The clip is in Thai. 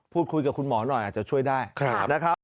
พูดคุยกับคุณหมอหน่อยอาจจะช่วยได้นะครับ